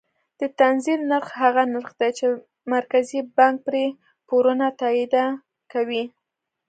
د تنزیل نرخ هغه نرخ دی چې مرکزي بانک پرې پورونه تادیه کوي.